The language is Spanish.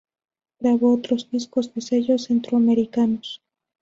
Grabó otros discos de sellos centroamericanos.